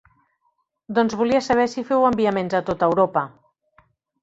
Doncs volia saber si feu enviaments a tot Europa.